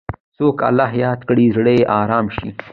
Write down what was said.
څوک الله یاد کړي، زړه یې ارام شي.